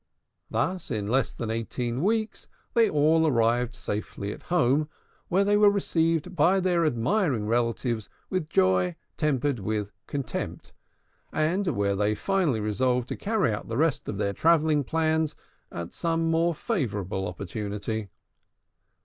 Thus in less than eighteen weeks they all arrived safely at home, where they were received by their admiring relatives with joy tempered with contempt, and where they finally resolved to carry out the rest of their travelling plans at some more favorable opportunity.